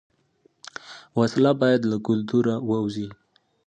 وسله باید له کلتوره ووځي